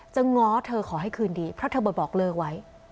ง้อเธอขอให้คืนดีเพราะเธอบอกเลิกไว้